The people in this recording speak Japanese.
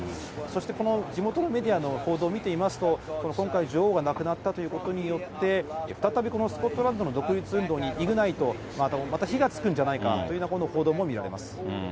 そして、この地元のメディアの報道を見ていますと、今回、女王が亡くなったということによって、再びこのスコットランドの独立運動にまた、火がつくんじゃないかというふうな報道も見られます。